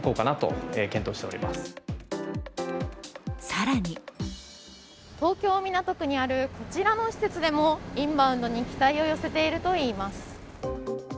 更に東京・港区にあるこちらの施設でもインバウンドに期待を寄せているといいます。